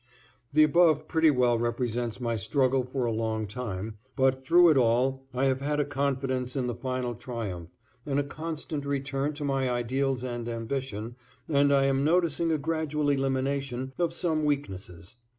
The above pretty well represents my struggle for a long time, but through it all I have had a confidence in the final triumph and a constant return to my ideals and ambition, and I am noticing a gradual elimination of some weaknesses.